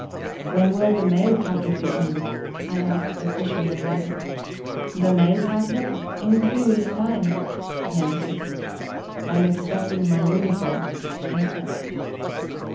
"When will the mail packet be in?" I asked a fisherman there. "The mail packet? In three weeks' time," he answered. "I am expecting my uniform," I said.